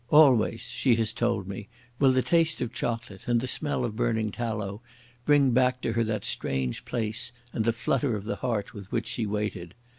Always, she has told me, will the taste of chocolate and the smell of burning tallow bring back to her that strange place and the flutter of the heart with which she waited.